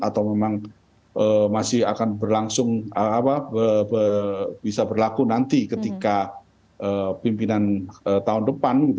atau memang masih akan berlangsung bisa berlaku nanti ketika pimpinan tahun depan